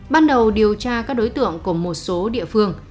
ban đầu điều tra các đối tượng của một số địa phương